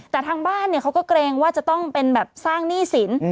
แต่ทางบ้านเขาก็เกรงว่าจะต้องเป็นแบบสร้างหนี้สิน